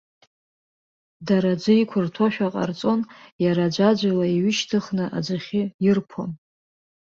Дара аӡы иқәырҭәошәа ҟарҵон, иара аӡәаӡәала иҩышьҭыхны аӡахьы ирԥон.